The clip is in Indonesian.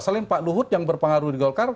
selain pak luhut yang berpengaruh di golkar